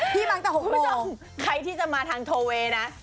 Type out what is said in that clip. พี่หูชมพี่ช่องใครที่จะมาทางโทเวอะนะ